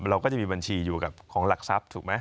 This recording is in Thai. เราก็จะมีบัญชีอยู่กับของหลักทรัพย์ถูกไหม